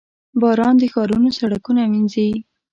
• باران د ښارونو سړکونه مینځي.